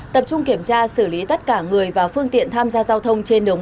tập trung kiểm tra xử lý tất cả người và phương tiện tham gia giao thông trên đường